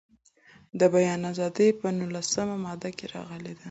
د بیان ازادي په نولسمه ماده کې راغلې ده.